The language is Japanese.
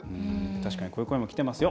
確かにこういう声もきてますよ。